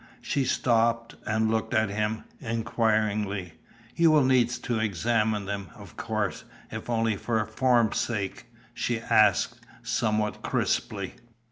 She stopped, and looked at him inquiringly. "You will need to examine them, of course, if only for form's sake?" she asked, somewhat crisply.